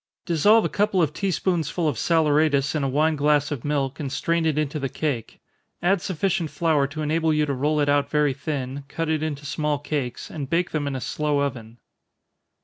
Dissolve a couple of tea spoonsful of saleratus in a wine glass of milk, and strain it into the cake add sufficient flour to enable you to roll it out very thin, cut it into small cakes, and bake them in a slow oven.